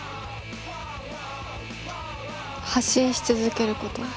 発信し続けること。